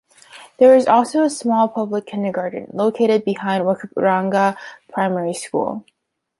There is also a small public kindergarten, located behind Wakaaranga Primary school.